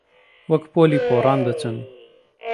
وەک پۆلی پۆڕان دەچن